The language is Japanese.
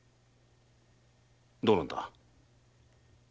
どうなんだ。